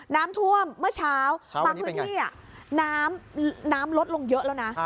น้ำท่วมเมื่อเช้าบางพื้นที่น้ำลดลงเยอะแล้วนะ